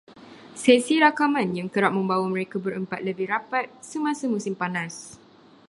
Sesi rakaman yang kerap membawa mereka berempat lebih rapat semasa musim panas